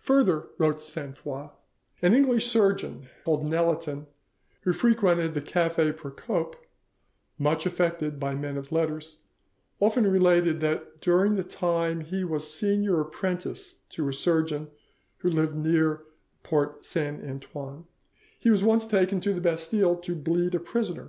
"Further," wrote Sainte Foix, "an English surgeon called Nelaton, who frequented the Cafe Procope, much affected by men of letters, often related that during the time he was senior apprentice to a surgeon who lived near the Porte Saint Antoine, he was once taken to the Bastille to bleed a prisoner.